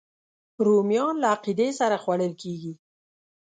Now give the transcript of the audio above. رومیان له عقیدې سره خوړل کېږي